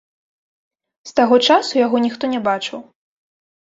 З таго часу яго ніхто не бачыў.